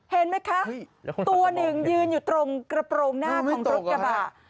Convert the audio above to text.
เห็นไหมคะตัวหนึ่งยืนอยู่ตรงกระโปรงหน้าของรถกระบะ